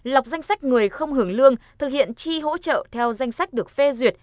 lọc danh sách người không hưởng lương thực hiện tri hỗ trợ theo danh sách được phê duyệt